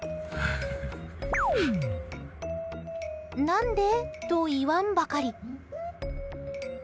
何で？と言わんばかり。